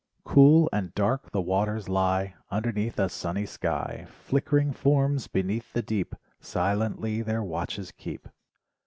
Cool and dark the waters lie Underneath a sunny sky. Flickering forms beneath the deep, Silently their watches keep.